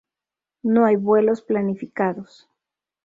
No hay vuelos planificados.